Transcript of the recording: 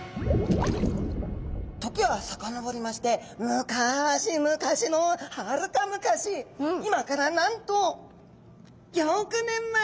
時はさかのぼりまして昔々のはるか昔今からなんと５億年前。